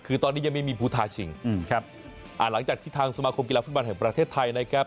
คือตอนนี้ยังไม่มีภูท้าชิงอืมครับอ่าหลังจากที่ทางสมาคมกีฬาฟุตบอลแห่งประเทศไทยนะครับ